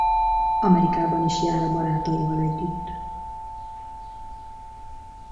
Amerikában is jár a barátaival együtt.